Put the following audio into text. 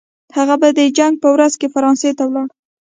هغه د جنګ په ورځو کې فرانسې ته ولاړ.